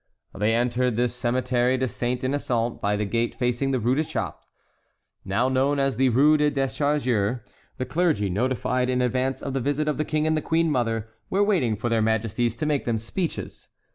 They entered the Cemetery des Saints Innocents by the gate facing the Rue des Chaps, now known as the Rue des Déchargeurs; the clergy, notified in advance of the visit of the King and the queen mother, were waiting for their majesties to make them speeches.